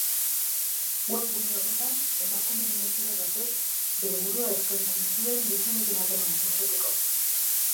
Webgune horretan, emakume venezuelar batek bere burua eskaintzen zuen gizonekin harremanak izateko.